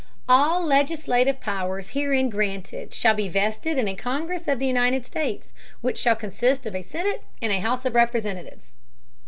All legislative Powers herein granted shall be vested in a Congress of the United States, which shall consist of a Senate and House of Representatives.